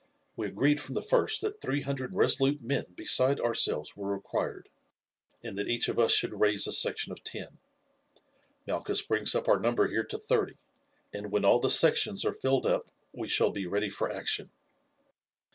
We agreed from the first that three hundred resolute men besides ourselves were required, and that each of us should raise a section of ten. Malchus brings up our number here to thirty, and when all the sections are filled up we shall be ready for action.